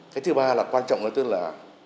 cái thứ ba là quan trọng đó tức là